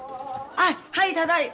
あはいただいま。